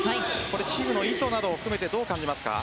チームの意図などを含めてどう感じますか？